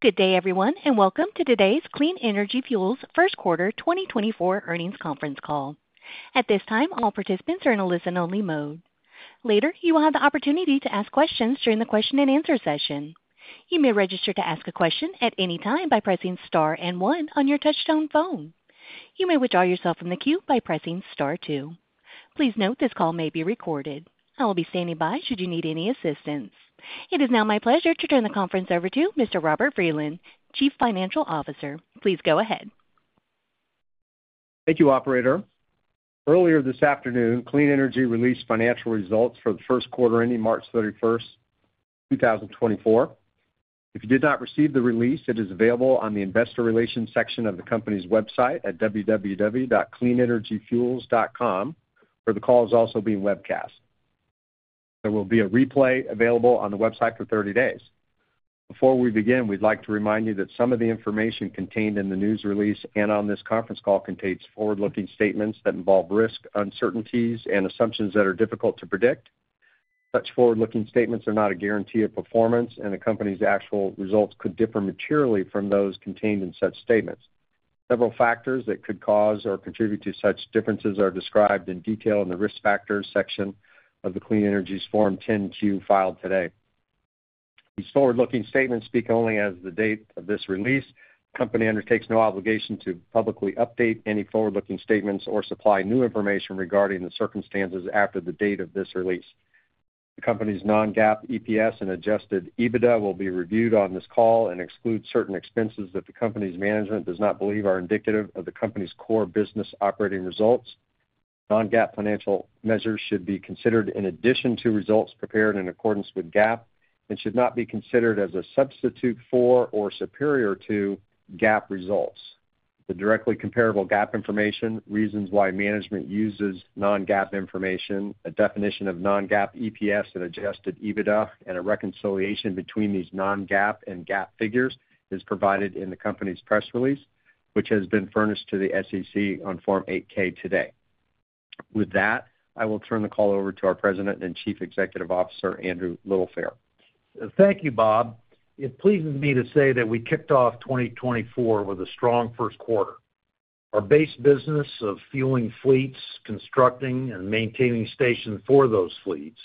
Good day, everyone, and welcome to today's Clean Energy Fuels First Quarter 2024 Earnings Conference Call. At this time, all participants are in a listen-only mode. Later, you will have the opportunity to ask questions during the question-and-answer session. You may register to ask a question at any time by pressing star and one on your touch-tone phone. You may withdraw yourself from the queue by pressing star, two. Please note, this call may be recorded. I will be standing by should you need any assistance. It is now my pleasure to turn the conference over to Mr. Robert Vreeland, Chief Financial Officer. Please go ahead. Thank you, operator. Earlier this afternoon, Clean Energy released financial results for the first quarter ending March 31, 2024. If you did not receive the release, it is available on the investor relations section of the company's website at www.cleanenergyfuels.com, where the call is also being webcast. There will be a replay available on the website for 30 days. Before we begin, we'd like to remind you that some of the information contained in the news release and on this conference call contains forward-looking statements that involve risk, uncertainties, and assumptions that are difficult to predict. Such forward-looking statements are not a guarantee of performance, and the company's actual results could differ materially from those contained in such statements. Several factors that could cause or contribute to such differences are described in detail in the risk factors section of the Clean Energy's Form 10-Q filed today. These forward-looking statements speak only as of the date of this release. The company undertakes no obligation to publicly update any forward-looking statements, or supply new information regarding the circumstances after the date of this release. The company's non-GAAP EPS and adjusted EBITDA will be reviewed on this call, and exclude certain expenses that the company's management does not believe are indicative of the company's core business operating results. Non-GAAP financial measures should be considered in addition to results prepared in accordance with GAAP, and should not be considered as a substitute for or superior to GAAP results. The directly comparable GAAP information, reasons why management uses non-GAAP information, a definition of non-GAAP EPS and adjusted EBITDA, and a reconciliation between these non-GAAP and GAAP figures is provided in the company's press release, which has been furnished to the SEC on Form 8-K today. With that, I will turn the call over to our President and Chief Executive Officer, Andrew Littlefair. Thank you, Bob. It pleases me to say that we kicked off 2024 with a strong first quarter. Our base business of fueling fleets, constructing and maintaining stations for those fleets,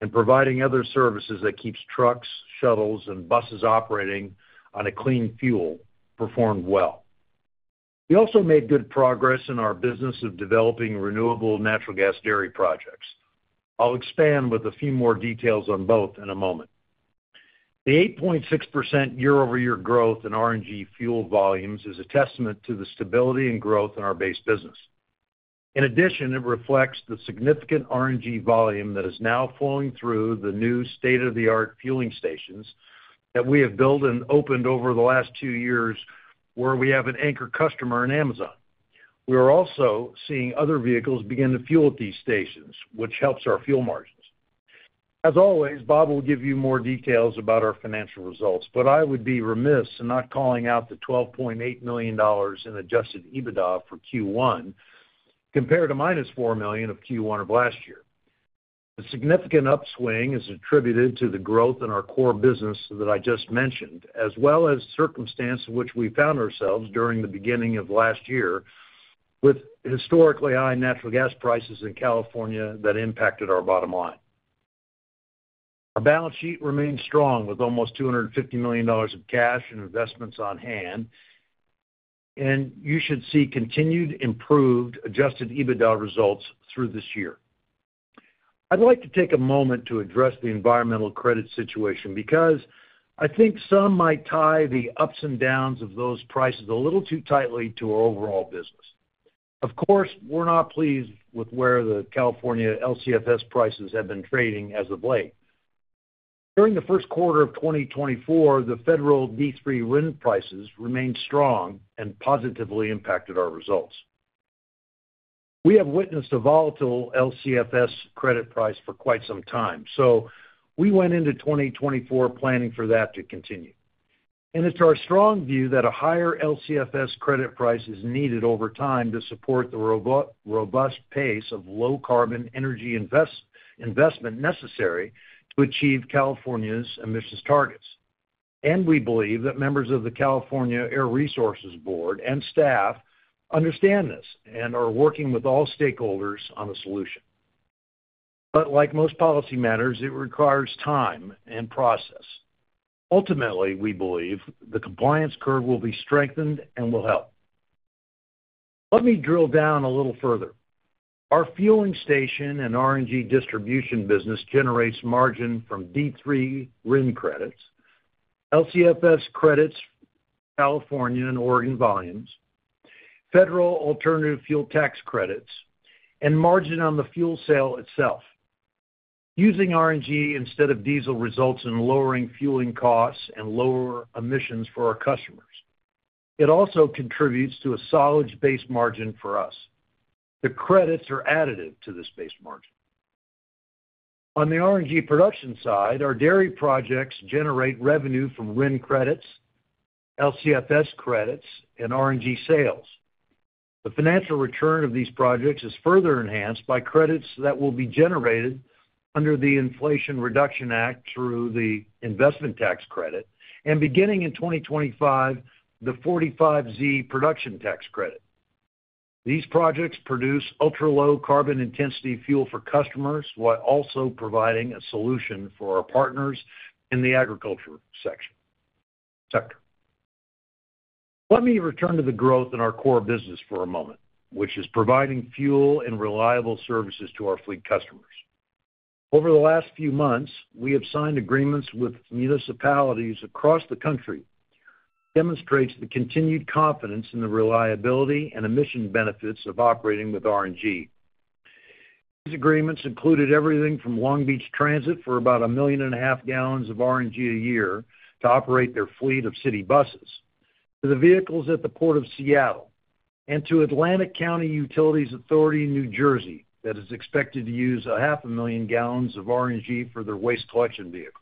and providing other services that keeps trucks, shuttles, and buses operating on a clean fuel performed well. We also made good progress in our business of developing renewable natural gas dairy projects. I'll expand with a few more details on both in a moment. The 8.6% year-over-year growth in RNG fuel volumes is a testament to the stability and growth in our base business. In addition, it reflects the significant RNG volume that is now flowing through the new state-of-the-art fueling stations that we have built and opened over the last two years, where we have an anchor customer in Amazon. We are also seeing other vehicles begin to fuel at these stations, which helps our fuel margins. As always, Bob will give you more details about our financial results, but I would be remiss in not calling out the $12.8 million in adjusted EBITDA for Q1 compared to -$4 million of Q1 of last year. The significant upswing is attributed to the growth in our core business that I just mentioned, as well as circumstances in which we found ourselves during the beginning of last year, with historically high natural gas prices in California that impacted our bottom line. Our balance sheet remains strong, with almost $250 million of cash and investments on hand and you should see continued improved adjusted EBITDA results through this year. I'd like to take a moment to address the environmental credit situation, because I think some might tie the ups and downs of those prices a little too tightly to our overall business. Of course, we're not pleased with where the California LCFS prices have been trading as of late. During the first quarter of 2024, the federal D3 RIN prices remained strong and positively impacted our results. We have witnessed a volatile LCFS credit price for quite some time, so we went into 2024 planning for that to continue. It's our strong view that a higher LCFS credit price is needed over time, to support the robust pace of low-carbon energy investment necessary to achieve California's emissions targets. We believe that members of the California Air Resources Board and staff understand this, and are working with all stakeholders on a solution. Like most policy matters, it requires time and process. Ultimately, we believe the compliance curve will be strengthened and will help. Let me drill down a little further. Our fueling station and RNG distribution business generates margin from D3 RIN credits, LCFS credits, California and Oregon volumes, federal alternative fuel tax credits, and margin on the fuel sale itself, using RNG instead of diesel results in lowering fueling costs and lower emissions for our customers. It also contributes to a solid base margin for us. The credits are additive to this base margin. On the RNG production side, our dairy projects generate revenue from RIN credits, LCFS credits, and RNG sales. The financial return of these projects is further enhanced by credits that will be generated under the Inflation Reduction Act through the investment tax credit, and beginning in 2025, the 45Z production tax credit. These projects produce ultra-low carbon intensity fuel for customers, while also providing a solution for our partners in the agriculture sector. Let me return to the growth in our core business for a moment, which is providing fuel and reliable services to our fleet customers. Over the last few months, we have signed agreements with municipalities across the country. It demonstrates the continued confidence in the reliability, and emission benefits of operating with RNG. These agreements included everything from Long Beach Transit for about 1.5 million gallons of RNG a year to operate their fleet of city buses, to the vehicles at the Port of Seattle, and to Atlantic County Utilities Authority in New Jersey that is expected to use 0.5 million gallons of RNG for their waste collection vehicles.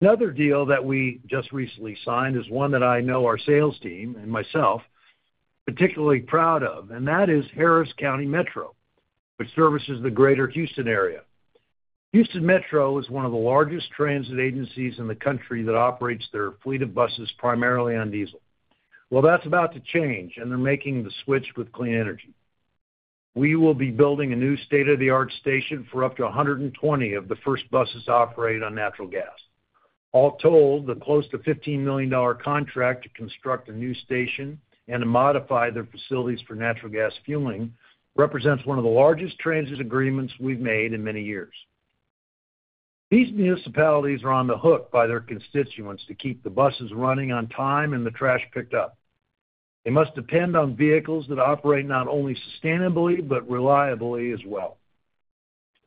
Another deal that we just recently signed is one that I know our sales team and myself are particularly proud of, and that is Harris County Metro, which services the greater Houston area. Houston Metro is one of the largest transit agencies in the country that operates their fleet of buses primarily on diesel. Well, that's about to change, and they're making the switch with Clean Energy. We will be building a new state-of-the-art station for up to 120 of the first buses to operate on natural gas. All told, the close to $15 million contract to construct a new station, and to modify their facilities for natural gas fueling represents one of the largest transit agreements we've made in many years. These municipalities are on the hook by their constituents to keep the buses running on time and the trash picked up. They must depend on vehicles that operate not only sustainably, but reliably as well.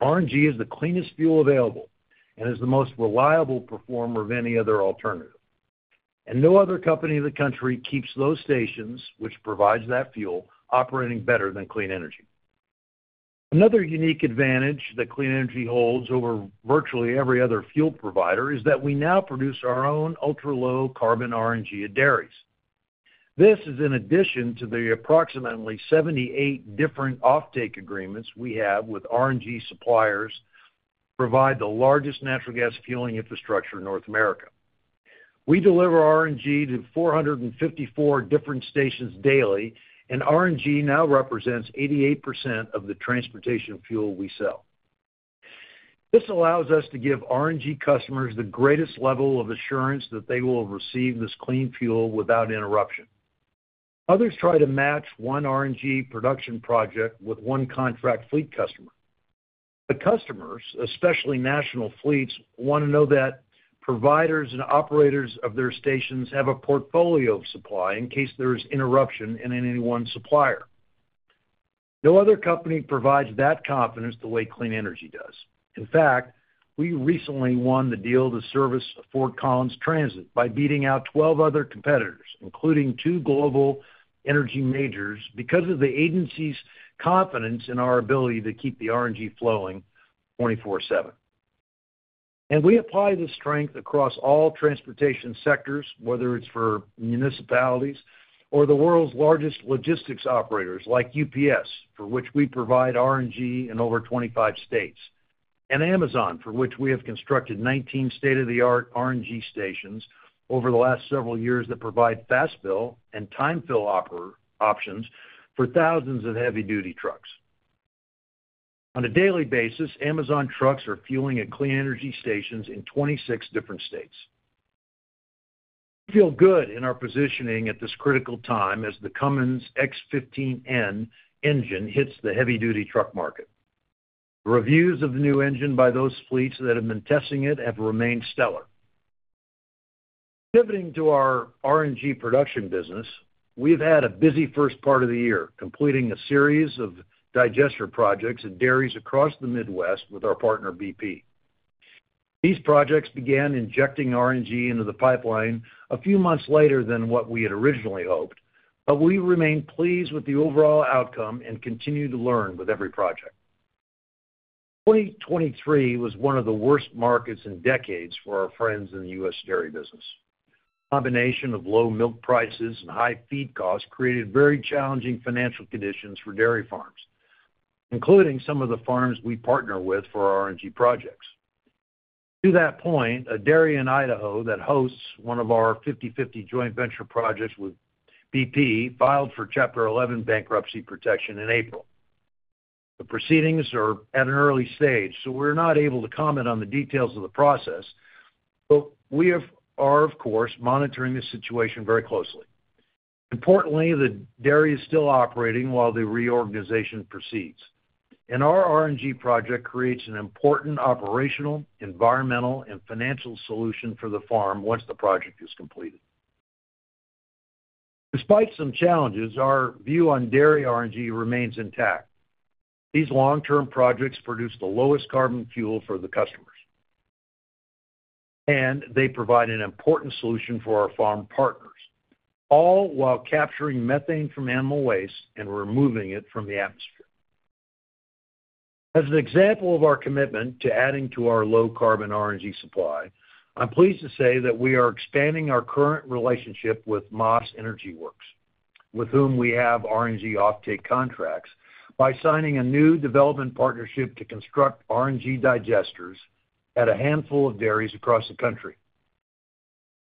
RNG is the cleanest fuel available, and is the most reliable performer of any other alternative. No other company in the country keeps those stations, which provides that fuel, operating better than Clean Energy. Another unique advantage that Clean Energy holds over virtually every other fuel provider, is that we now produce our own ultra-low carbon RNG at dairies. This is in addition to the approximately 78 different offtake agreements, we have with RNG suppliers that provide the largest natural gas fueling infrastructure in North America. We deliver RNG to 454 different stations daily, and RNG now represents 88% of the transportation fuel we sell. This allows us to give RNG customers the greatest level of assurance that they will receive this clean fuel without interruption. Others try to match one RNG production project with one contract fleet customer. The customers, especially national fleets, want to know that providers and operators of their stations have a portfolio of supply in case there is interruption in any one supplier. No other company provides that confidence the way Clean Energy does. In fact, we recently won the deal to service Fort Collins Transit, by beating out 12 other competitors, including two global energy majors, because of the agency's confidence in our ability to keep the RNG flowing 24/7. We apply this strength across all transportation sectors, whether it's for municipalities or the world's largest logistics operators like UPS, for which we provide RNG in over 25 states, and Amazon, for which we have constructed 19 state-of-the-art RNG stations over the last several years, that provide fast-fill and time-fill operator options for thousands of heavy-duty trucks. On a daily basis, Amazon trucks are fueling at Clean Energy stations in 26 different states. We feel good in our positioning at this critical time, as the Cummins X15N engine hits the heavy-duty truck market. The reviews of the new engine by those fleets that have been testing it have remained stellar. Pivoting to our RNG production business, we've had a busy first part of the year, completing a series of digester projects at dairies across the Midwest with our partner BP. These projects began injecting RNG into the pipeline a few months later than what we had originally hoped, but we remain pleased with the overall outcome and continue to learn with every project. 2023 was one of the worst markets in decades for our friends in the U.S. dairy business. A combination of low milk prices and high feed costs created very challenging financial conditions for dairy farms, including some of the farms we partner with for RNG projects. To that point, a dairy in Idaho that hosts one of our 50/50 joint venture projects with BP filed for Chapter 11 bankruptcy protection in April. The proceedings are at an early stage, so we're not able to comment on the details of the process, but we are of course monitoring the situation very closely. Importantly, the dairy is still operating while the reorganization proceeds. Our RNG project creates an important operational, environmental, and financial solution for the farm once the project is completed. Despite some challenges, our view on dairy RNG remains intact. These long-term projects produce the lowest carbon fuel for the customers. They provide an important solution for our farm partners, all while capturing methane from animal waste and removing it from the atmosphere. As an example of our commitment to adding to our low-carbon RNG supply, I'm pleased to say that we are expanding our current relationship with Maas Energy Works, with whom we have RNG offtake contracts, by signing a new development partnership to construct RNG digesters at a handful of dairies across the country.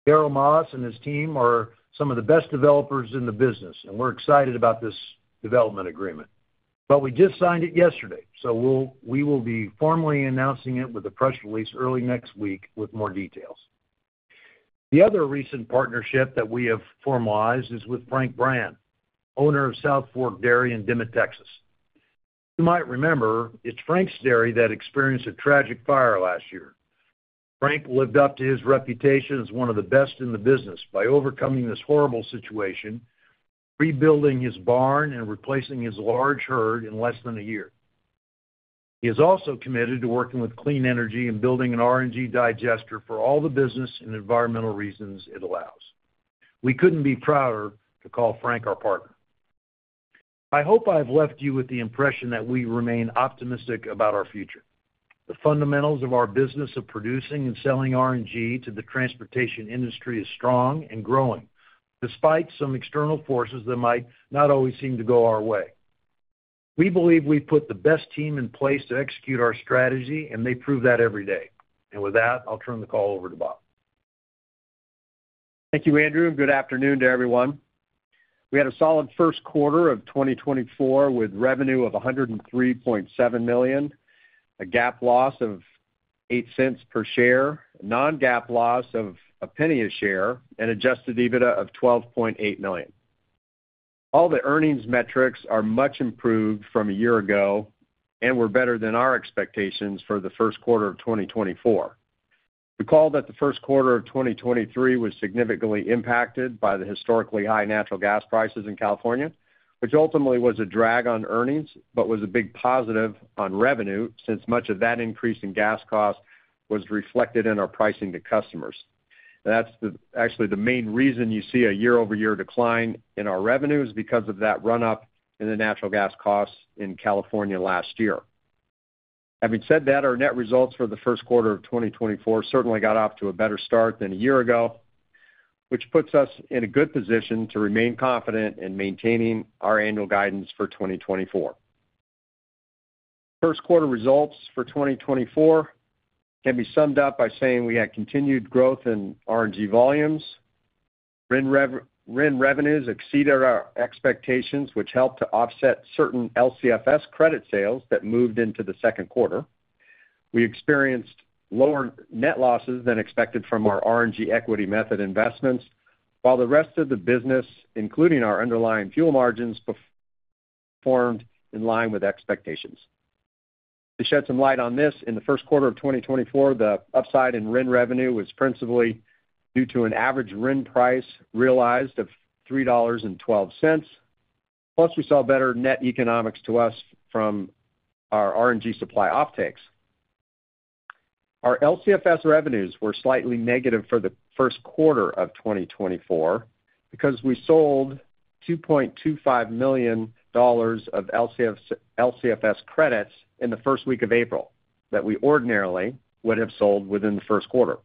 Daryl Maas and his team are some of the best developers in the business, and we're excited about this development agreement. We just signed it yesterday, so we'll be formally announcing it with a press release early next week with more details. The other recent partnership that we have formalized is with Frank Brand, owner of South Fork Dairy in Dimmitt, Texas. You might remember, it's Frank's dairy that experienced a tragic fire last year. Frank lived up to his reputation as one of the best in the business by overcoming this horrible situation, rebuilding his barn and replacing his large herd in less than a year. He is also committed to working with Clean Energy, and building an RNG digester for all the business and environmental reasons it allows. We couldn't be prouder to call Frank our partner. I hope I've left you with the impression that we remain optimistic about our future. The fundamentals of our business of producing and selling RNG to the transportation industry is strong and growing, despite some external forces that might not always seem to go our way. We believe we've put the best team in place to execute our strategy, and they prove that every day. With that, I'll turn the call over to Bob. Thank you, Andrew. Good afternoon to everyone. We had a solid first quarter of 2024, with revenue of $103.7 million, a GAAP loss of $0.08 per share, non-GAAP loss of $0.01 per share, and adjusted EBITDA of $12.8 million. All the earnings metrics are much improved from a year ago, and were better than our expectations for the first quarter of 2024. Recall that the first quarter of 2023 was significantly impacted by the historically high natural gas prices in California, which ultimately was a drag on earnings, but was a big positive on revenue since much of that increase in gas costs was reflected in our pricing to customers. That's actually the main reason you see a year-over-year decline in our revenue, is because of that run up in the natural gas costs in California last year. Having said that, our net results for the first quarter of 2024 certainly got off to a better start than a year ago, which puts us in a good position to remain confident in maintaining our annual guidance for 2024. First quarter results for 2024 can be summed up by saying we had continued growth in RNG volumes. RIN revenues exceeded our expectations, which helped to offset certain LCFS credit sales that moved into the second quarter. We experienced lower net losses than expected from our RNG equity method investments, while the rest of the business, including our underlying fuel margins performed in line with expectations. To shed some light on this, in the first quarter of 2024, the upside in RIN revenue was principally due to an average RIN price realized of $3.12. Plus, we saw better net economics to us from our RNG supply offtakes. Our LCFS revenues were slightly negative for the first quarter of 2024, because we sold $2.25 million of LCFS credits in the first week of April, that we ordinarily would have sold within the first quarter.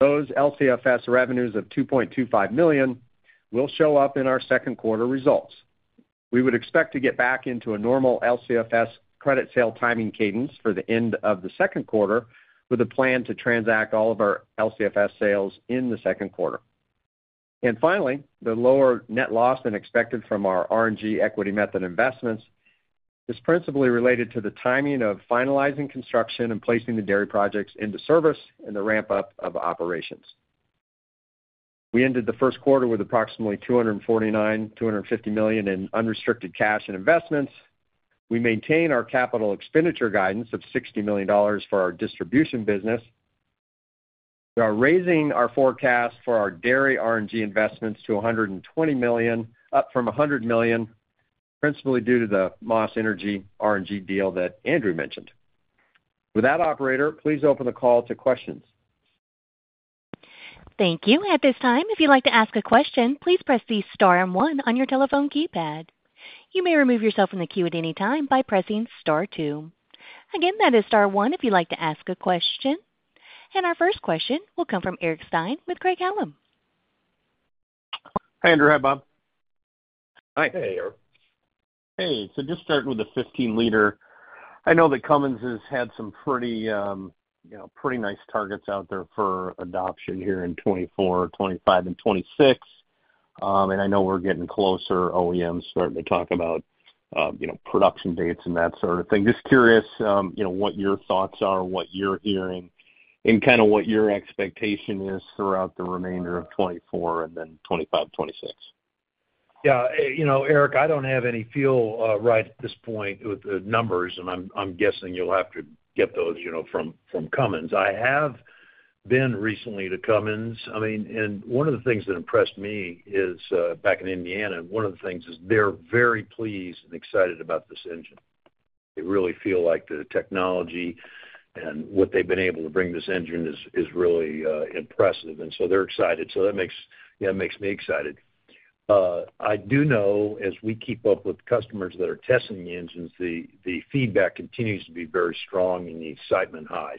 Those LCFS revenues of $2.25 million will show up in our second-quarter results. We would expect to get back into a normal LCFS credit sale timing cadence for the end of the second quarter, with a plan to transact all of our LCFS sales in the second quarter. Finally, the lower net loss than expected from our RNG equity method investments is principally related to the timing of finalizing construction, and placing the dairy projects into service and the ramp-up of operations. We ended the first quarter with approximately $249 million-$250 million in unrestricted cash and investments. We maintain our capital expenditure guidance of $60 million for our distribution business. We are raising our forecast for our dairy RNG investments to $120 million, up from $100 million, principally due to the Maas Energy RNG deal that Andrew mentioned. With that, operator, please open the call to questions. Thank you. At this time, if you'd like to ask a question, please press the star and one on your telephone keypad. You may remove yourself from the queue at any time by pressing star, two. Again, that is star, one if you'd like to ask a question. Our first question will come from Eric Stein with Craig-Hallum. Hey, Andrew. Hi, Bob. Hi. Hey, Eric. Hey. Just starting with the 15-liter, I know that Cummins has had some, you know, pretty nice targets out there for adoption here in 2024, 2025, and 2026. I know we're getting closer. OEMs starting to talk about, you know, production dates and that sort of thing. Just curious, you know, what your thoughts are, what you're hearing, and kind of what your expectation is throughout the remainder of 2024 and then 2025, 2026. Yeah. You know, Eric, I don't have any fuel, right at this point with the numbers, and I'm guessing you'll have to get those, you know, from Cummins. I have been recently to Cummins. I mean, and one of the things that impressed me is back in Indiana, one of the things is, they're very pleased and excited about this engine. They really feel like the technology, and what they've been able to bring this engine is really, impressive. Yeah, it makes me excited. I do know, as we keep up with customers that are testing the engines, the feedback continues to be very strong and the excitement high.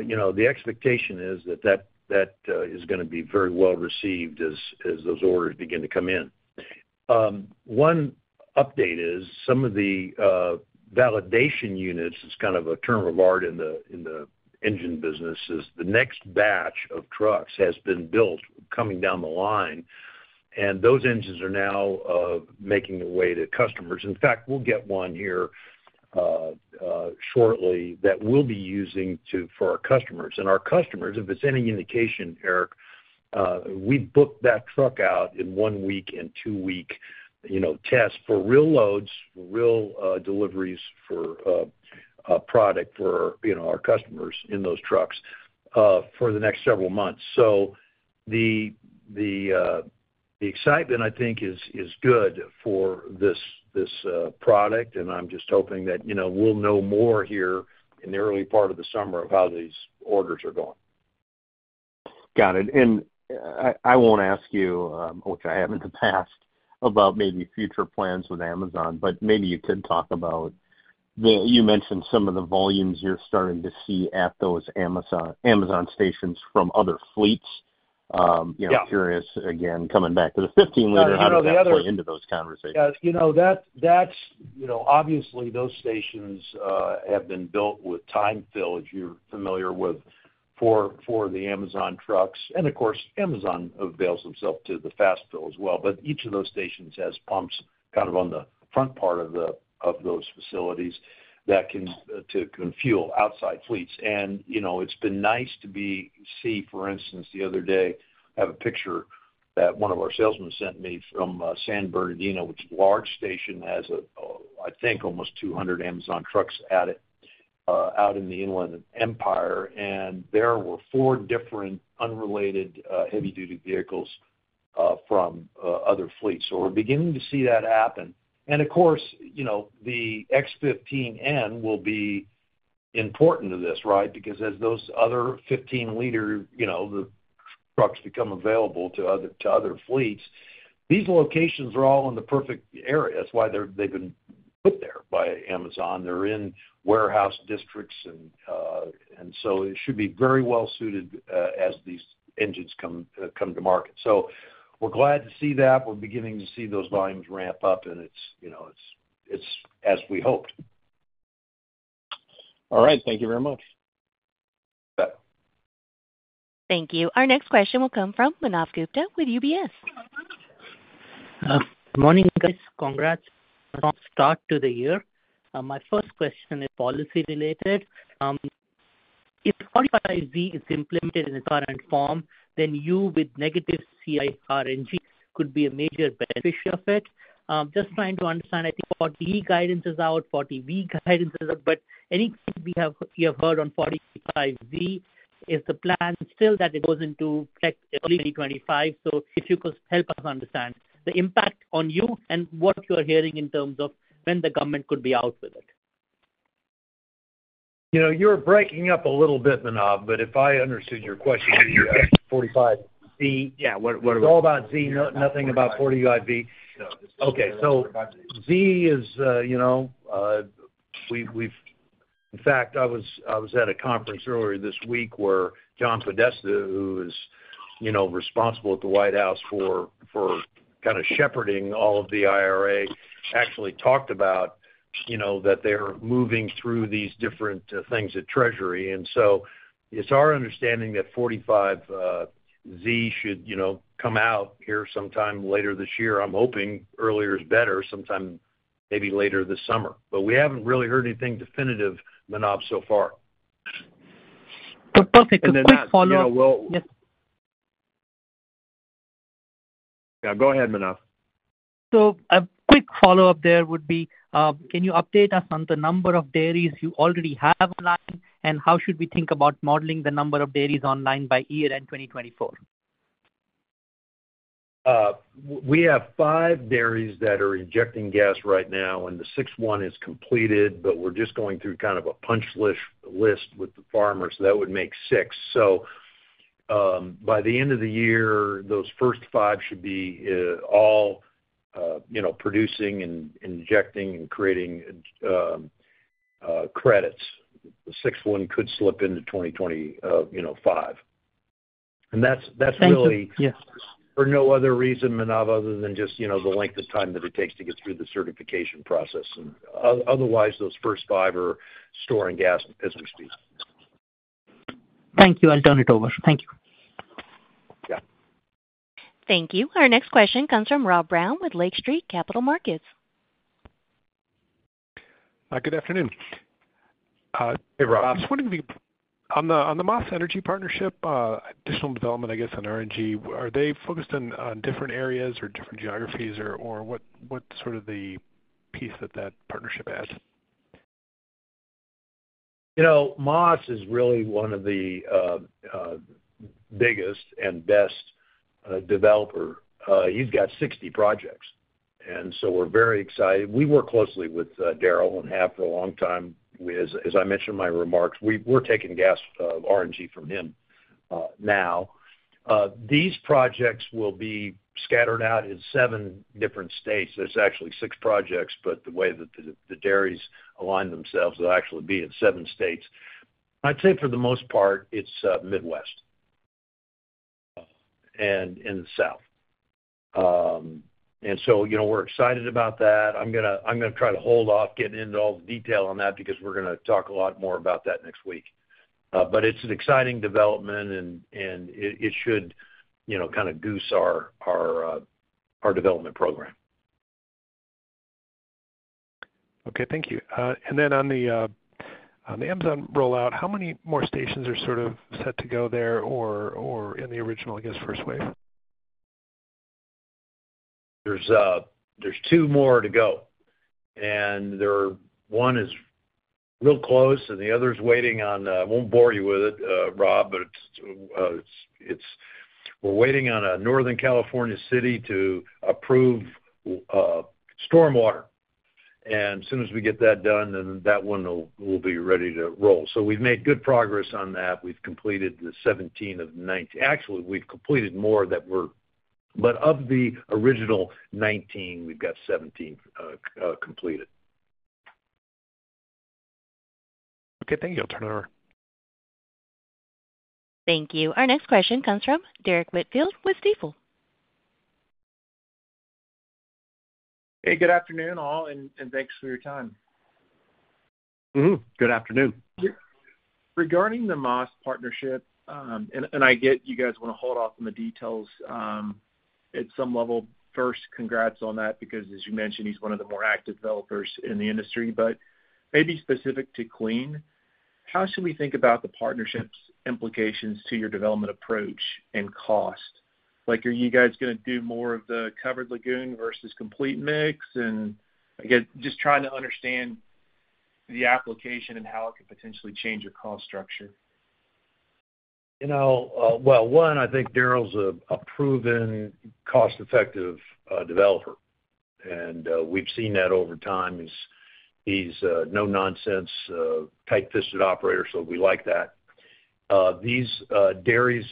You know, the expectation is that that is going to be very well received as those orders begin to come in. One update is, some of the validation units is kind of a term of art in the engine business, is the next batch of trucks has been built coming down the line. Those engines are now making their way to customers. In fact, we'll get one here shortly that we'll be using for our customers. Our customers, if it's any indication, Eric, we booked that truck out in 1 week and 2-week, you know, tests for real loads, for real deliveries for product for, you know, our customers in those trucks for the next several months. The excitement I think is good for this product. I'm just hoping that, you know, we'll know more here in the early part of the summer, of how these orders are going. Got it. I won't ask you, which I haven't in the past, about maybe future plans with Amazon, but maybe you could talk about, you mentioned some the volumes you're starting to see at those Amazon stations from other fleets. You know, curious again, coming back to the 15-liter, how does that play into those conversations? Yeah. You know, obviously those stations have been built with time fill, as you're familiar with, for the Amazon trucks. Of course, Amazon avails themselves to the fast fill as well, but each of those stations has pumps kind of on the front part of those facilities, that can fuel outside fleets. You know, it's been nice to see, for instance, the other day, I have a picture that one of our salesmen sent me from San Bernardino, which is a large station, it has a I think almost 200 Amazon trucks at it, out in the Inland Empire. There were four different unrelated heavy-duty vehicles from other fleets, so we're beginning to see that happen. Of course, you know, the X15N will be important to this, because as those other 15-liter, you know, trucks become available to other to other fleets, these locations are all in the perfect area. That's why they've been put there by Amazon. They're in warehouse districts, and so it should be very well suited as these engines come to market. We're glad to see that. We're beginning to see those volumes ramp up, and it's as we hoped. All right. Thank you very much. Yeah. Thank you. Our next question will come from Manav Gupta with UBS. Good morning, guys. Congrats from the start of the year. My first question is policy-related. If RFIZ is implemented in its current form, then you with negative CI RNG could be a major beneficiary of it. Just trying to understand, I think what the E guidance is out, what the V guidance is out. Anything you have heard on 45V is the plan still, that it goes into early 2025. If you could help us understand the impact on you, and what you're hearing in terms of when the government could be out with it. You know, you were breaking up a little bit, Manav, but if I understood your question, the 45V, yeah, all about Z, nothing about 45V. No. Okay. Z, you know, in fact, I was at a conference earlier this week where John Podesta, who is, you know, responsible at the White House for kind of shepherding all of the IRA, actually talked about, you know, that they're moving through these different things at Treasury. It's our understanding that 45Z should, you know, come out here sometime later this year. I'm hoping earlier is better, sometime maybe later this summer. We haven't really heard anything definitive, Manav, so far. Perfect. A quick follow-up, yeah. Yeah. Go ahead, Manav. A quick follow-up there would be, can you update us on the number of dairies you already have, and how should we think about modeling the number of dairies online by year-end 2024? We have five dairies that are injecting gas right now, and the sixth one is completed. We're just going through kind of a punch list with the farmers, that would make six. By the end of the year, those first five should be all, you know, producing and injecting and creating credits. The sixth one could slip into 2025. Thank you. That's really for no other reason, Manav, other than just, you know, the length of time that it takes to get through the certification process. Otherwise, those first five are storing gas as we speak. Thank you. I'll turn it over. Thank you. Yeah. Thank you. Our next question comes from Rob Brown with Lake Street Capital Markets. Hi. Good afternoon. Hey, Rob. I was wondering, on the Maas Energy Partnership additional development, I guess, on RNG, are they focused on different areas or different geographies, or what’s sort of the piece that that partnership adds? You know, Maas is really one of the biggest, and best developers. He’s got 60 projects, and so we’re very excited. We work closely with Daryl, and have for a long time. As I mentioned in my remarks, we’re taking RNG from him. Now, these projects will be scattered out in seven different states. There’s actually six projects, but the way that the dairies align themselves, they’ll actually be in seven states. I’d say for the most part, it’s Midwest and in the South. You know, we’re excited about that. I'm going to try to hold off getting into all the detail on that, because we're going to talk a lot more about that next week. It's an exciting development, and it should, you know, kind of goose our development program. Okay. Thank you. Then on the Amazon rollout, how many more stations are sort of set to go there or in the original, I guess, first wave? There's two more to go. One is real close, and the other's, I won't bore you with it, Rob, but it's we're waiting on a Northern California city to approve stormwater. As soon as we get that done, then that one will be ready to roll. We've made good progress on that. We've completed the 17 of 19. Actually, we've completed more, but of the original 19, we've got 17 completed. Okay, thank you. I'll turn it over. Thank you. Our next question comes from Derrick Whitfield with Stifel. Hey. Good afternoon, all and thanks for your time. Good afternoon. Yeah. Regarding the Maas partnership, and I get you guys want to hold off on the details, at some level. First, congrats on that because, as you mentioned, he's one of the more active developers in the industry. Maybe specific to Clean, how should we think about the partnership's implications to your development approach and cost? Like, are you guys going to do more of the covered lagoon versus complete mix? Again, just trying to understand the application, and how it could potentially change your cost structure. You know, well, one, I think Daryl's a proven cost-effective developer. We've seen that over time. He's a no-nonsense, tight-fisted operator, so we like that. These dairies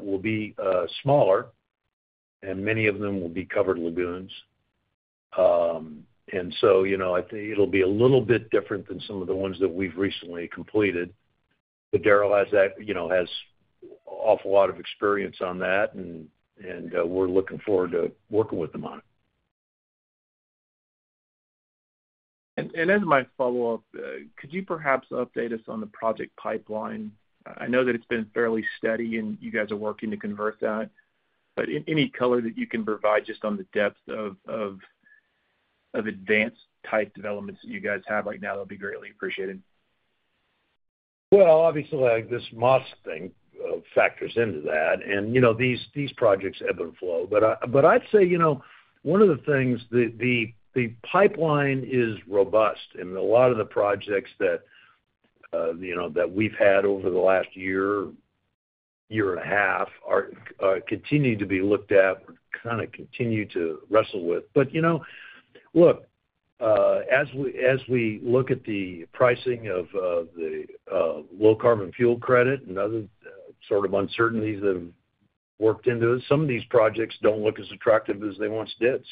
will be smaller, and many of them will be covered lagoons. You know, I think it'll be a little bit different than some of the ones that we've recently completed. Daryl, you know, has awful lot of experience on that, and we're looking forward to working with them on it. As my follow-up, could you perhaps update us on the project pipeline? I know that it's been fairly steady, and you guys are working to convert that. Any color that you can provide just on the depth of advanced-type developments that you guys have right now, that'll be greatly appreciated. Well, obviously, like this Maas thing factors into that. You know, these projects ebb and flow. I'd say, you know, one of the things, the pipeline is robust. A lot of the projects that, you know, we've had over the last year and a half continue to be looked at, you kind of continue to wrestle with. You know, look, as we look at the pricing of the low-carbon fuel credit and other sort of uncertainties that have worked into it, some of these projects don't look as attractive as they once did.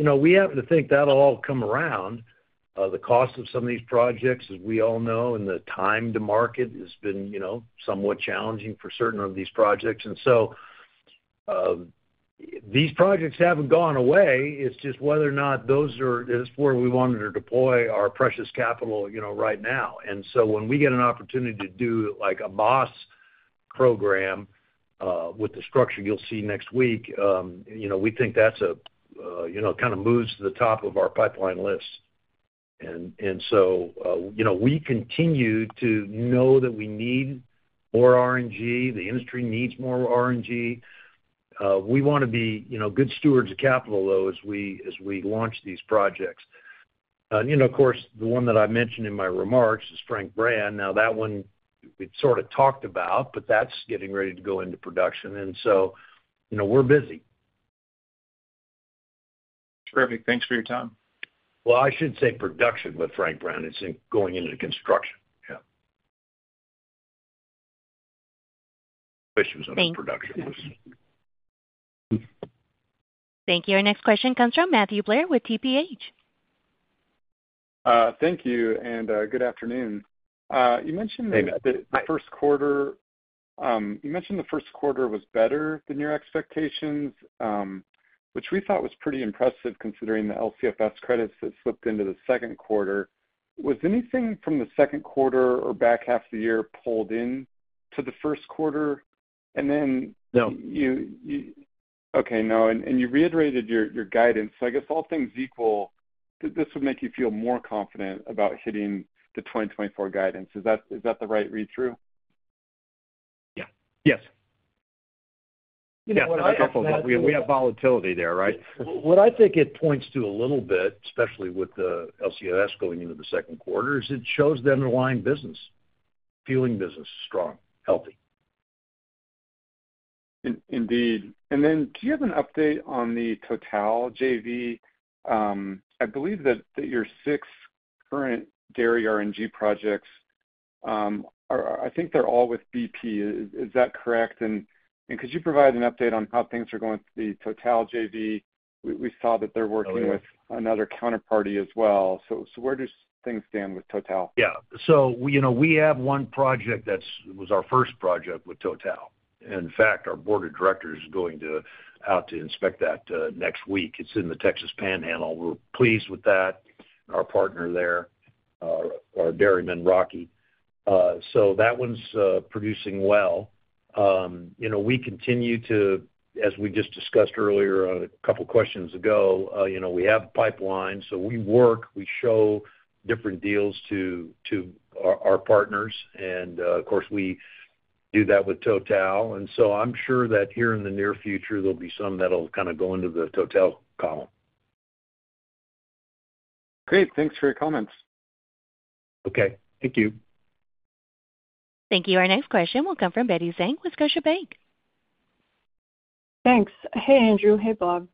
You know, we have to think that'll all come around. The cost of some of these projects, as we all know, and the time to market has been, you know, somewhat challenging for certain of these projects. These projects haven't gone away. It's just whether or not that's where we wanted to deploy our precious capital, you know, right now. When we get an opportunity to do like a Maas program, with the structure you'll see next week, you know, we think, you know, it kind of moves to the top of our pipeline list. You know, we continue to know that we need more RNG. The industry needs more RNG. We want to be, you know, good stewards of capital though, as we as we launch these projects. You know, of course, the one that I mentioned in my remarks is Frank Brand. Now, that one, we've sort of talked about, but that's getting ready to go into production. You know, we're busy. Terrific. Thanks for your time. Well, I should say production with Frank Brand. He's going into construction. Yeah, was under production. Yeah. Thank you. Our next question comes from Matthew Blair with TPH. Thank you. Good afternoon. You mentioned that the first quarter was better than your expectations, which we thought was pretty impressive, considering the LCFS credits that slipped into the second quarter. Was anything from the second quarter or back half of the year pulled into the first quarter? Now, and you reiterated your guidance. I guess all things equal, this would make you feel more confident about hitting the 2024 guidance. Is that the right read-through? Yes, we have volatility there, right? What I think it points to a little bit, especially with the LCFS going into the second quarter, is it shows the underlying business, fueling business, strong, healthy. Indeed. Then, do you have an update on the Total JV? I believe that your six current dairy RNG projects, I think they're all with BP. Is that correct? Could you provide an update on how things are going with the Total JV? We saw that they're working with another counterparty as well. Where do things stand with Total? Yeah. You know, we have one project that was our first project with Total. In fact, our board of directors is going out to inspect that next week. It's in the Texas panhandle. We're pleased with that, our partner there, our dairyman, Rocky. That one's producing well. You know, as we just discussed earlier, a couple questions ago, you know, we have a pipeline, so we work. We show different deals to our partners. Of course, we do that with Total. I'm sure that here in the near future, there'll be some that'll kind of go into the Total column. Great. Thanks for your comments. Okay. Thank you. Thank you. Our next question will come from Betty Zhang, Scotiabank. Thanks. Hey, Andrew. Hey, Bob.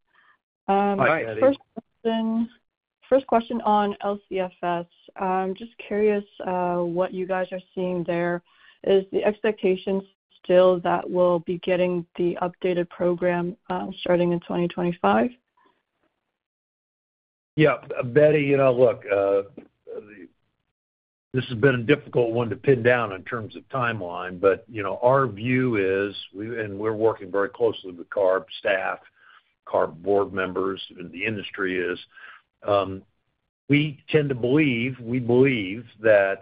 Hi, Betty. Hi. First question on LCFS. Just curious what you guys are seeing there. Is the expectation still that we'll be getting the updated program starting in 2025? Yeah. Betty, you know, look, this has been a difficult one to pin down in terms of timeline. You know, our view is, and we're working very closely with CARB staff, CARB board members, and the industry, is we believe that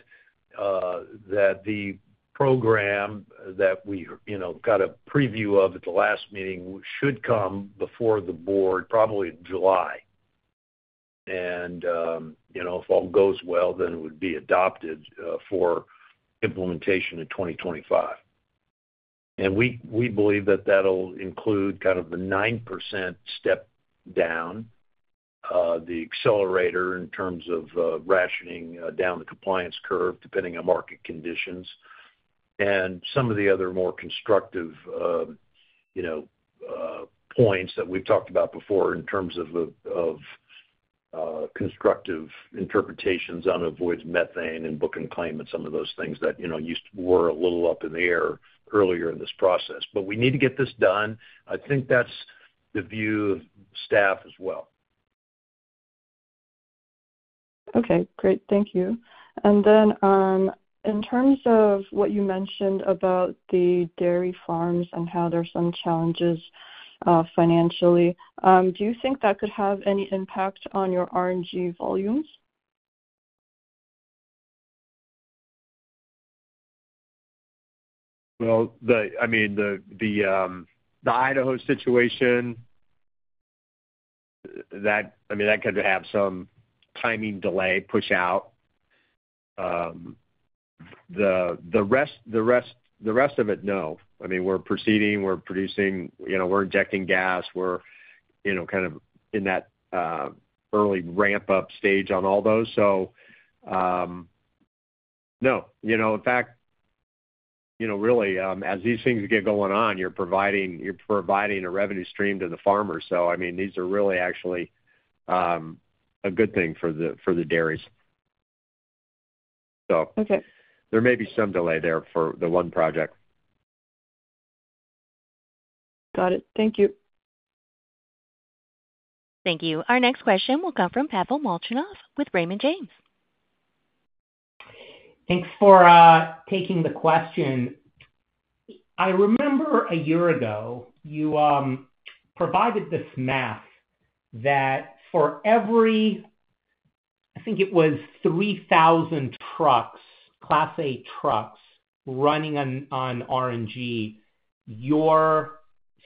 the program that we, you know, got a preview of at the last meeting should come before the board, probably in July. You know, if all goes well, then it would be adopted for implementation in 2025. We believe that that'll include kind of the 9% step down, the accelerator in terms of rationing, down the compliance curve, depending on market conditions. Some of the other more constructive, you know, points that we've talked about before in terms of constructive interpretations on avoided methane, and book and claim, and some of those things that, you know, used to be a little up in the air earlier in this process. We need to get this done. I think that's the view of the staff as well. Okay, great. Thank you. Then, in terms of what you mentioned about the dairy farms and how there's some challenges financially, do you think that could have any impact on your RNG volumes? Well, I mean, the Idaho situation, that could have some timing delay push out. The rest of it, no. I mean, we're proceeding. We're producing. You know, we're injecting gas. We're, you know, kind of in that early ramp-up stage on all those, so, no. You know, in fact, you know, really, as these things get going on, you're providing a revenue stream to the farmers. I mean, these are really actually a good thing for the dairies. Okay, there may be some delay there for the one project. Got it. Thank you. Thank you. Our next question will come from Pavel Molchanov with Raymond James. Thanks for taking the question. I remember a year ago, you provided this math that for every I think it was 3,000 trucks, class A trucks running on RNG, your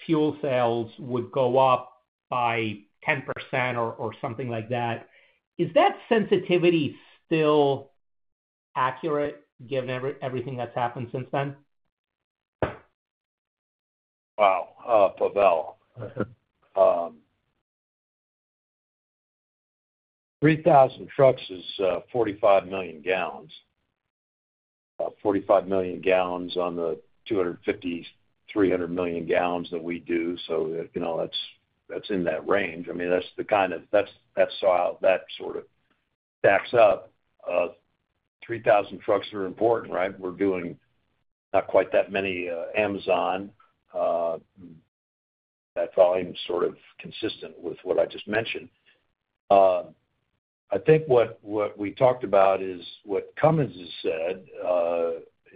fuel sales would go up by 10% or something like that. Is that sensitivity still accurate, given everything that's happened since then? Wow, Pavel. 3,000 trucks is 45 million gallons. 45 million gallons on the 250-300 million gallons that we do. You know, that's in that range. I mean, that's how that sort of stacks up. 3,000 trucks are important, right? We're doing not quite that many, Amazon. That volume's sort of consistent with what I just mentioned. I think what we talked about is, what Cummins has said,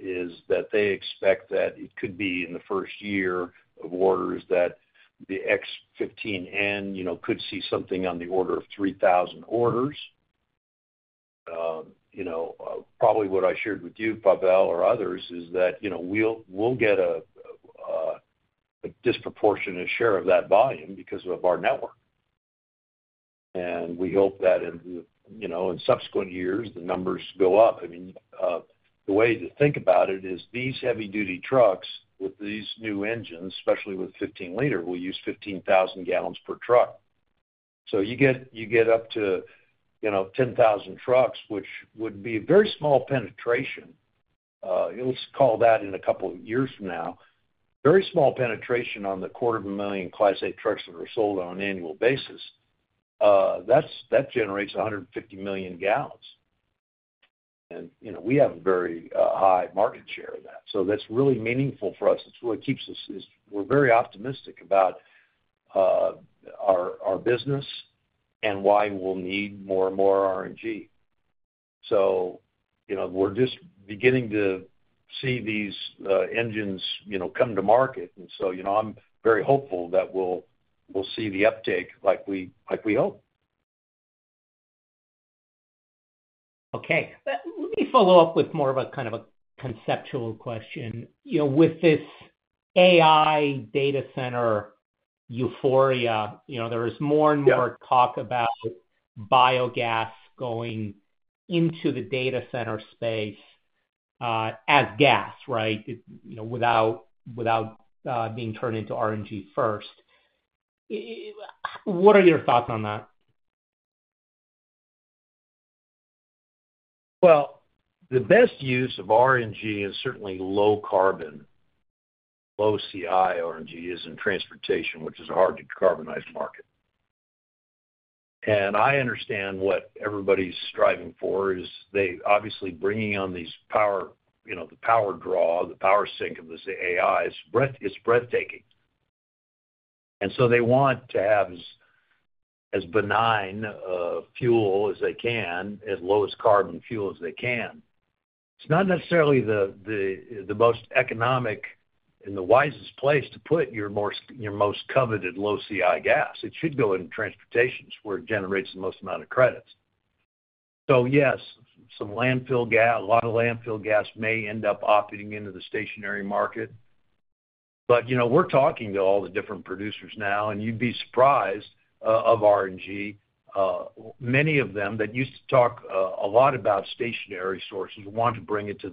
is that they expect that it could be in the first year of orders that the X15N, you know, could see something on the order of 3,000 orders. You know, probably what I shared with you, Pavel or others, is that, you know, we'll get a disproportionate share of that volume because of our network. We hope that, you know, in subsequent years, the numbers go up. I mean, the way to think about it is, these heavy-duty trucks with these new engines, especially with 15-liter, will use 15,000 gallons per truck. You get up to, you know, 10,000 trucks, which would be a very small penetration. Let's call that in a couple of years from now. Very small penetration on the quarter of a million class A trucks that are sold on an annual basis. That generates 150 million gallons. You know, we have a very high market share of that, so that's really meaningful for us. It's what keeps us, is we're very optimistic about our business, and why we'll need more and more RNG. You know, we're just beginning to see these engines, you know, come to market. You know, I'm very hopeful that we'll see the uptake like we hope. Okay, but let me follow up with more of a kind of a conceptual question. You know, with this AI data center euphoria, you know, there is more and more talk about biogas going into the data center space, as gas, without being turned into RNG first. What are your thoughts on that? Well, the best use of RNG is certainly low-carbon, low-CI RNG is in transportation, which is a hard-to-carbonize market. I understand what everybody's striving for, is, obviously bringing on the power draw, the power sink of this AI is breathtaking. They want to have as benign fuel as they can, as low-carbon fuel as they can. It's not necessarily the most economic and the wisest place to put your most coveted low-CI gas. It should go into transportation, where it generates the most amount of credits. Yes, some landfill gas, a lot of landfill gas may end up opting into the stationary market, but you know, we're talking to all the different producers now. You'd be surprised, of RNG, many of them that used to talk a lot about stationary sources want to bring it to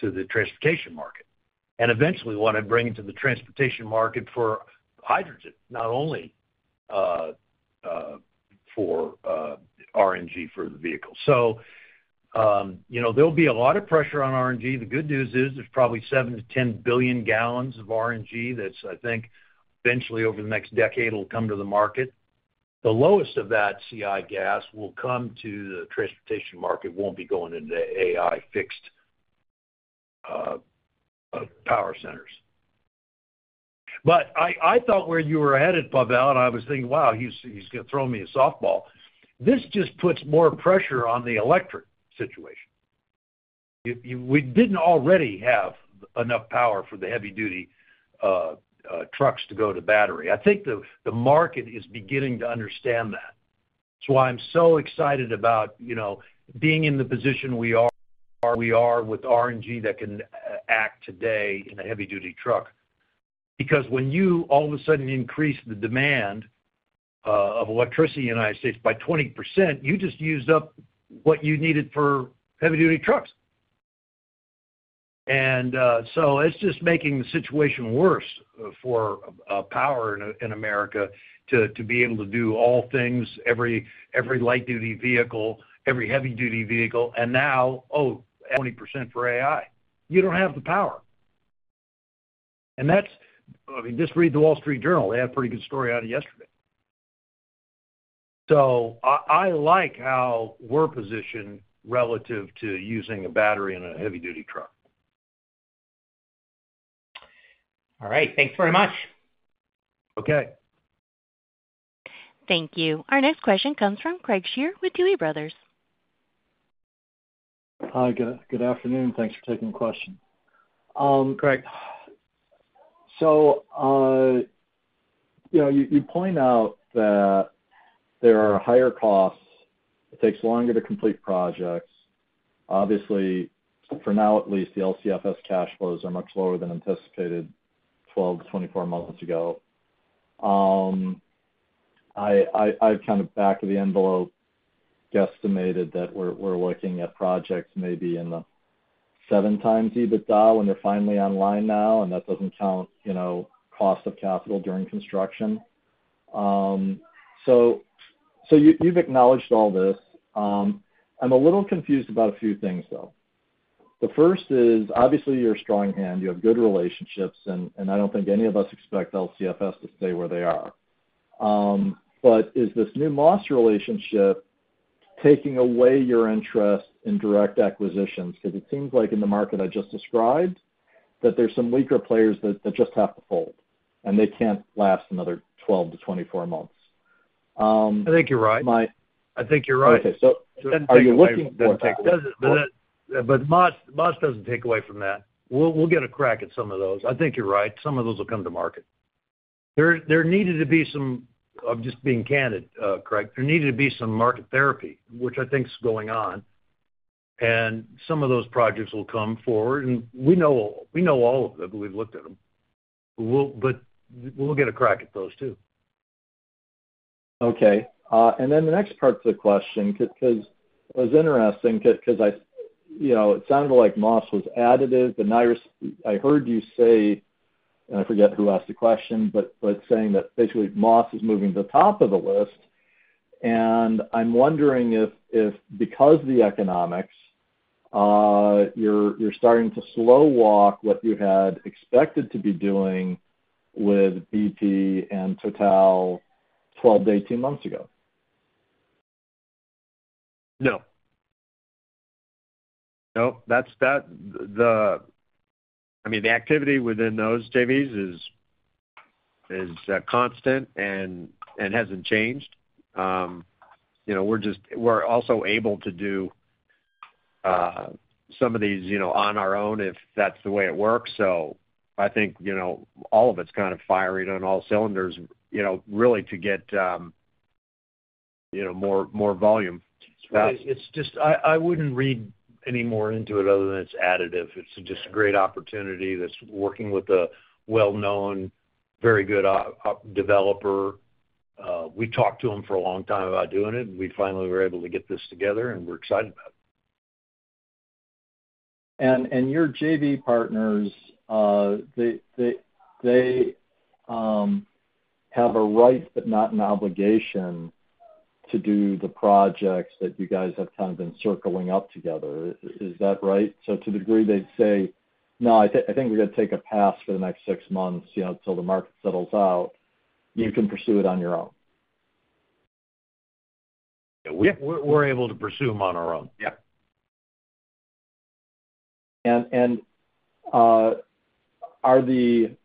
the transportation market, and eventually want to bring it to the transportation market for hydrogen, not only for RNG for the vehicle. You know, there'll be a lot of pressure on RNG. The good news is, there's probably 7-10 billion gallons of RNG that's I think eventually over the next decade, will come to the market. The lowest of that CI gas will come to the transportation market. It won't be going into the AI fixed power centers. I thought where you were ahead of Pavel, and I was thinking, "Wow, he's going to throw me a softball." This just puts more pressure on the electric situation. You know, we didn't already have enough power for the heavy-duty trucks to go to battery. I think the market is beginning to understand that. I'm so excited about, you know, being in the position we are with RNG that can act today in a heavy-duty truck. When you all of a sudden increase the demand of electricity in the United States by 20%, you just used up what you needed for heavy-duty trucks. It's just making the situation worse for power in America to be able to do all things, every light-duty vehicle, every heavy-duty vehicle. Now, oh, 20% for AI. You don't have the power. I mean, just read The Wall Street Journal. They had a pretty good story out yesterday. I like how we're positioned relative to using a battery in a heavy-duty truck. All right. Thanks very much. Okay. Thank you. Our next question comes from Craig Shere with Tuohy Brothers. Hi. Good afternoon. Thanks for taking the question. I'm Craig. You know, you point out that there are higher costs. It takes longer to complete projects. Obviously, for now at least, the LCFS cash flows are much lower than anticipated 12-24 months ago. I've kind of, back-of-the-envelope, guesstimated that we're looking at projects maybe in the 7x EBITDA, when they're finally online now. That doesn't count, you know, cost of capital during construction. You've acknowledged all this. I'm a little confused about a few things, though. The first is, obviously you're a strong hand. You have good relationships. I don't think any of us expect LCFS to stay where they are, but is this new Maas relationship taking away your interest in direct acquisitions? It seems like in the market I just described, that there's some weaker players that just have to fold and they can't last another 12-24 months. I think you're right. Okay, so are you looking for that? Maas doesn't take away from that. We'll get a crack at some of those. I think you're right. Some of those will come to market. I'm just being candid, Craig. There needed to be some market therapy, which I think's going on. Some of those projects will come forward. We know all of them, we've looked at them, but we'll get a crack at those too. Okay, and then the next part to the question, because it was interesting. It sounded like Maas was additive. I heard you say, and I forget who asked the question, but saying that basically Maas is moving to the top of the list. I'm wondering if, because of the economics, you're starting to slow-walk what you had expected to be doing with BP and Total 12-18 months ago. Nope. I mean, the activity within those JVs is constant and hasn't changed. You know, we're also able to do some of these, you know, on our own if that's the way it works. I think, you know, all of it's kind of firing on all cylinders, you know, really to get, you know, more volume. It's just, I wouldn't read any more into it other than it's additive. It's just a great opportunity. That's working with a well-known, very good, developer. We talked to him for a long time about doing it. We finally were able to get this together, and we're excited about it. Your JV partners, they have a right, but not an obligation to do the projects that you guys have kind of been circling up together. Is that right? To the degree they'd say, "No, I think we're going to take a pass for the next six months. You know, till the market settles out, you can pursue it on your own." Yeah. We're able to pursue them on our own, yeah. Are they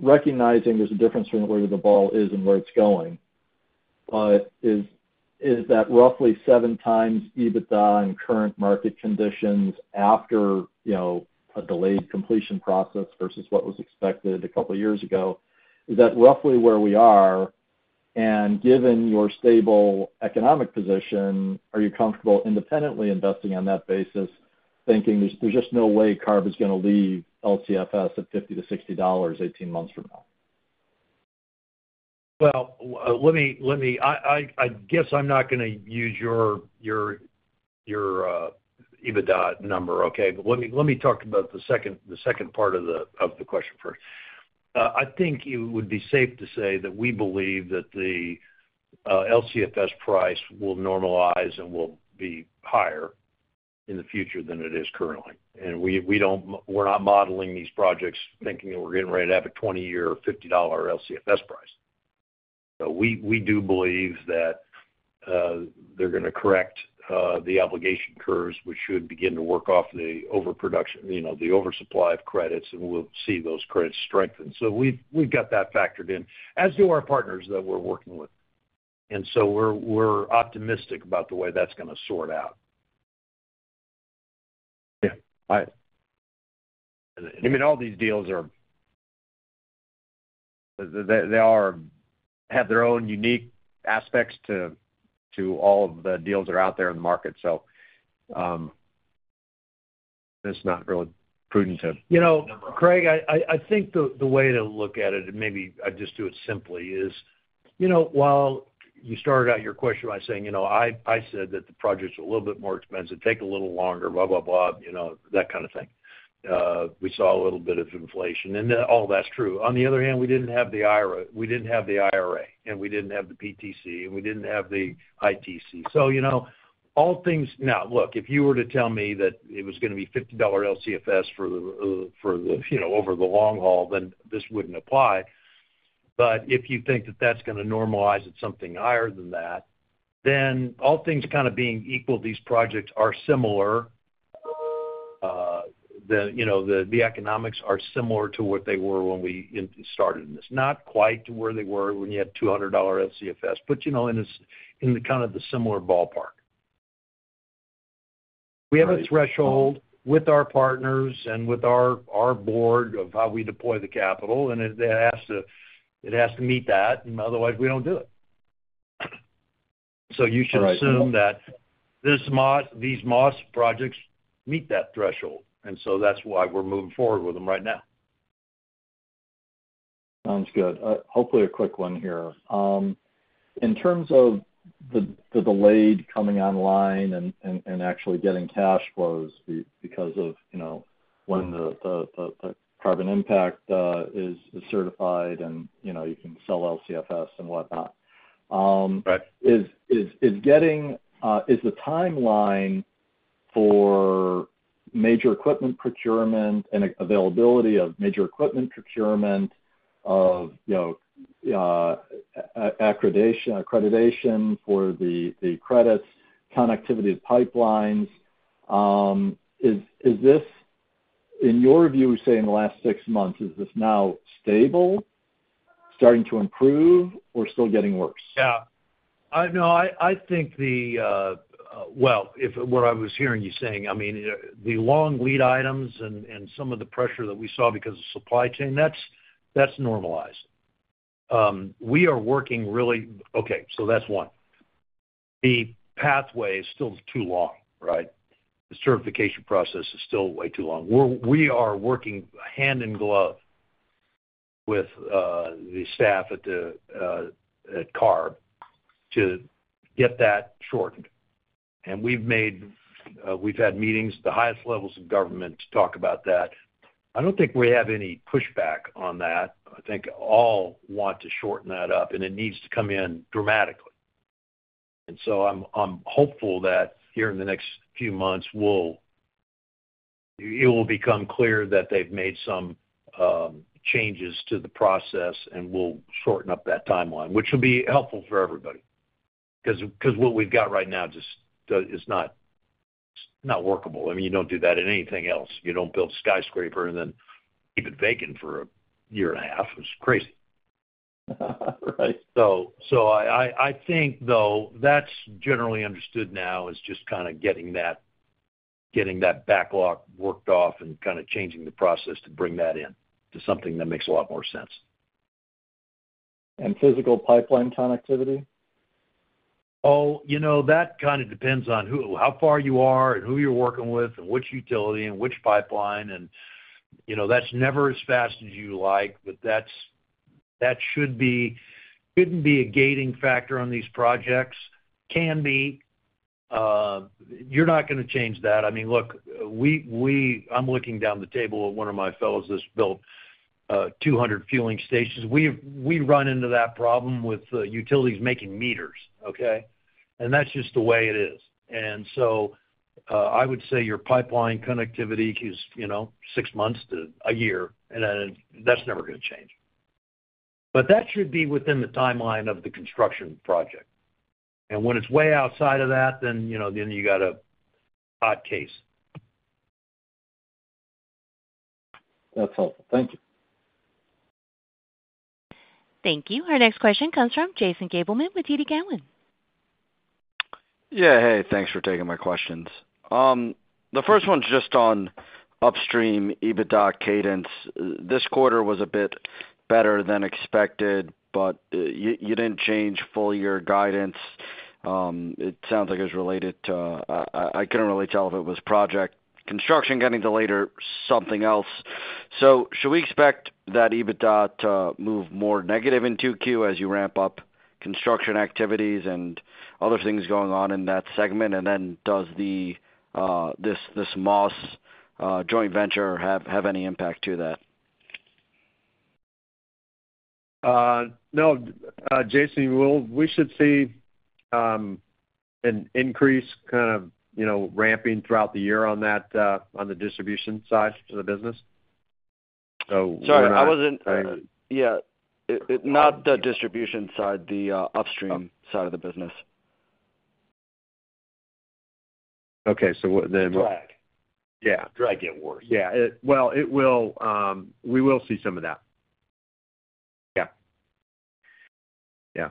recognizing there's a difference in where the ball is and where it's going? Is that roughly 7x EBITDA in current market conditions after, you know, a delayed completion process versus what was expected a couple of years ago? Is that roughly where we are? Given your stable economic position, are you comfortable independently investing on that basis, thinking there's just no way CARB is going to leave LCFS at $50-$60 18 months from now? I guess I'm not going to use your EBITDA number, okay? Let me talk about the second part of the question first. I think it would be safe to say that we believe that the LCFS price will normalize, and will be higher in the future than it is currently. We're not modeling these projects thinking that we're getting ready to have a 20-year or $50 LCFS price. We do believe that they're going to correct the obligation curves, which should begin to work off the overproduction, you know, the oversupply of credits and we'll see those credits strengthen. We've got that factored in, as do our partners that we're working with and so we're optimistic about the way that's going to sort out. Yeah, all right. I mean, all these deals, they have their own unique aspects to all of the deals that are out there in the market. You know, Craig, I think the way to look at it, and maybe I'd just do it simply is, you know, while you started out your question by saying, you know, I said that the projects were a little bit more expensive, take a little longer, etc, you know, that kind of thing, we saw a little bit of inflation. All that's true. On the other hand, we didn't have the IRA. We didn't have the PTC. We didn't have the ITC. You know, now, look, if you were to tell me that it was going to be $50 LCFS for, you know, over the long haul, then this wouldn't apply. If you think that that's going to normalize at something higher than that, then all things kind of being equal, these projects are similar, you know, the economics are similar to what they were when we started in this. Not quite to where they were when you had $200 LCFS, but, you know, in kind of the similar ballpark. We have a threshold with our partners and with our board, of how we deploy the capital and it has to meet that. Otherwise, we don't do it, so you should assume that these Maas projects meet that threshold, and so that's why we're moving forward with them right now. Sounds good. Hopefully, a quick one here. In terms of the delayed coming online and actually getting cash flows, because, you know, when the carbon impact is certified, you know, you can sell LCFS and whatnot. The timeline for major equipment procurement and availability of major equipment procurement of, you know, accreditation for the credits, connectivity of pipelines, is this in your view say, in the last six months, is this now stable, starting to improve, or still getting worse? No. I think, well, what I was hearing you saying, I mean, the long lead items and some of the pressure that we saw because of supply chain, that's normalized. We are working really okay, so that's one. The pathway is still too long, right? The certification process is still way too long. We are working hand in glove with the staff at CARB to get that shortened, and we've had meetings at the highest levels of government to talk about that. I don't think we have any pushback on that. I think all want to shorten that up, and it needs to come in dramatically. I'm hopeful that here in the next few months, it will become clear that they've made some changes to the process. We'll shorten up that timeline, which will be helpful for everybody, because what we've got right now, it's not workable. I mean, you don't do that in anything else. You don't build a skyscraper, and then keep it vacant for a year and a half. It's crazy. Yeah, right. I think though, that's generally understood now, is just kind of getting that backlog worked off and kind of changing the process to bring that in to something that makes a lot more sense. Physical pipeline connectivity? Oh, you know, that kind of depends on how far you are and who you're working with, and which utility and which pipeline. You know, that's never as fast as you like, but that shouldn't be a gating factor on these projects. Can be. You're not going to change that. I mean, look, I'm looking down the table at one of my fellows that's built 200 fueling stations. We've run into that problem with utilities making meters, okay? That's just the way it is. I would say your pipeline connectivity is, you know, 6 months to a year. That's never going to change, but that should be within the timeline of the construction project. When it's way outside of that, you know, then you got a hot case. That's helpful. Thank you. Thank you. Our next question comes from Jason Gabelman with TD Cowen. Yeah. Hey, thanks for taking my questions. The first one's just on upstream EBITDA cadence. This quarter was a bit better than expected, but you didn't change full-year guidance. It sounds like it was related to, I couldn't really tell if it was project construction getting delayed or something else. Should we expect that EBITDA to move more negative in 2Q, as you ramp up construction activities and other things going on in that segment? Then does this Maas joint venture have any impact to that? No. Jason, we should see an increase kind of, you know, ramping throughout the year on that, on the distribution side to the business, so we're not. Sorry. Yeah, it not the distribution side, the upstream side of the business. Yeah. get worse. Yeah, we will see some of that. Yeah,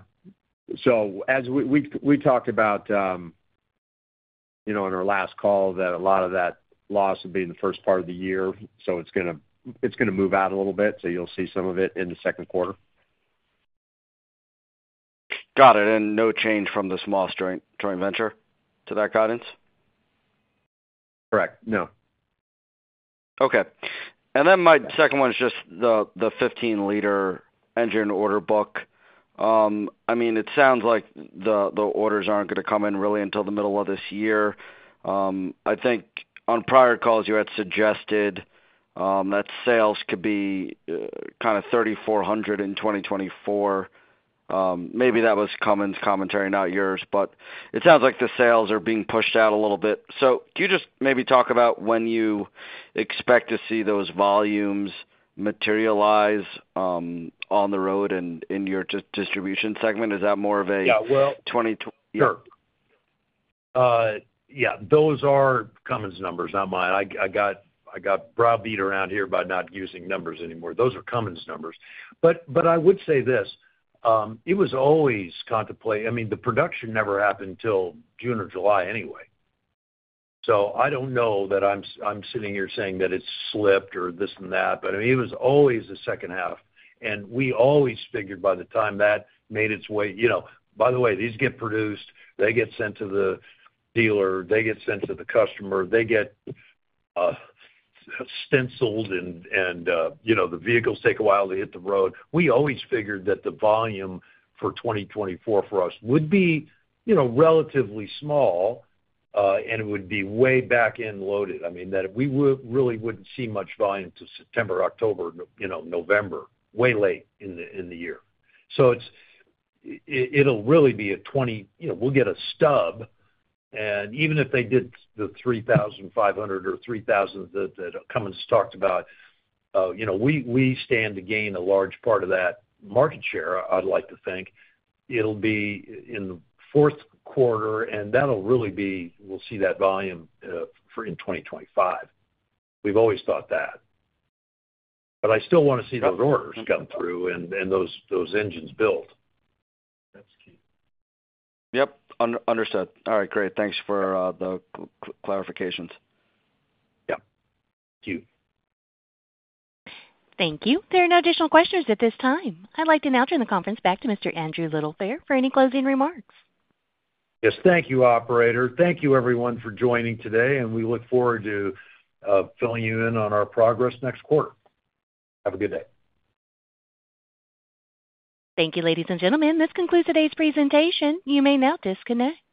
so as we talked about, you know, on our last call, that a lot of that loss would be in the first part of the year. It's going move out a little bit, so you'll see some of it in the second quarter. Got it, and no change from this Maas joint venture to that guidance? Correct, no. Okay. Then my second one's just the 15-liter engine order book. I mean, it sounds like the orders aren't going to come in really until the middle of this year. I think on prior calls, you had suggested that sales could be kind of 3,400 in 2024. Maybe that was Cummins' commentary, not yours, but it sounds like the sales are being pushed out a little bit. Can you just maybe talk about when you expect to see those volumes materialize, on the road and in your fuel distribution segment? Is that more of a? Sure, yeah. Those are Cummins' numbers. Not mine. I got browbeat around here by not using numbers anymore. Those are Cummins' numbers, but I would say this, it was always contemplate. I mean, the production never happened till June or July anyway. I don't know that I'm sitting here saying that it's slipped or this and that. I mean, it was always the second half, and we always figured by the time that made its way, you know, by the way, these get produced. They get sent to the dealer. They get sent to the customer. They get stenciled. You know, the vehicles take a while to hit the road. We always figured that the volume for 2024 for us would be, you know, relatively small. It would be way back-end loaded. I mean, that we would really wouldn't see much volume till September, October, you know, November, way late in the year. It'll really be a 20, you know, we'll get a stub. Even if they did the 3,500 or 3,000 that Cummins has talked about, you know, we stand to gain a large part of that market share, I'd like to think. It'll be in the fourth quarter. That we'll see that volume in 2025. We've always thought that, but I still want to see those orders come through and those engines built. That's key. Yep, understood. All right, great. Thanks for the clarifications. Yep. Thank you. Thank you. There are no additional questions at this time. I'd like to now turn the conference back to Mr. Andrew Littlefair for any closing remarks. Yes. Thank you, operator. Thank you, everyone for joining today. We look forward to filling you in on our progress next quarter. Have a good day. Thank you, ladies and gentlemen. This concludes today's presentation. You may now disconnect.